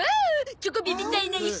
チョコビみたいな石！